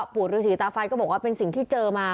ปู่ฤษีตาไฟก็บอกว่าเป็นสิ่งที่เจอมา